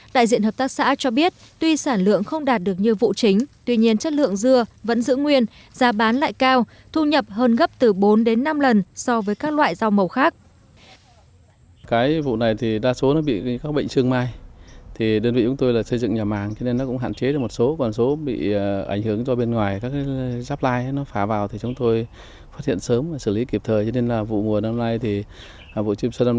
đại diện hợp tác xã cho biết tuy sản lượng không đạt được như vụ chính tuy nhiên chất lượng dưa vẫn giữ nguyên giá bán lại cao thu nhập hơn gấp từ bốn đến năm lần so với các loại rau màu khác